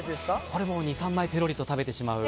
これもう２３枚ぺろりと食べてしまう。